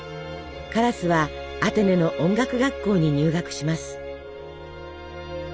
カラスはアテネの音楽学校に入学します。